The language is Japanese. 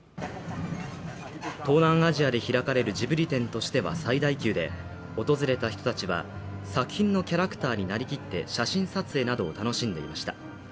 東南アジアで開かれるジブリ展としては最大級で、訪れた人たちは作品のキャラクターになりきって写真撮影などを楽しんでいました。